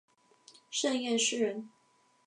盛彦师人。